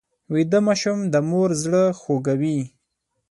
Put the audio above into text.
ویده ماشوم د مور زړه خوږوي